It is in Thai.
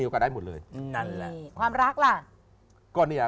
ความรักละ